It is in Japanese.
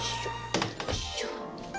よいしょ。